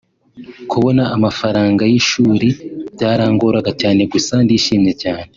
kubona amafaranga y’ishuri byarangoraga cyane gusa ndishimye cyane